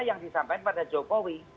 yang disampaikan pada jokowi